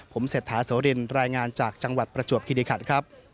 ผมเศรษฐาโสรินรายงานจากจังหวัดประจวบคิริขันครับ